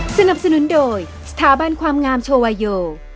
สนับสนุนโดยสถาบันความงามโชวาโย